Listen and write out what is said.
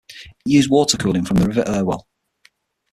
It used water for cooling from the River Irwell.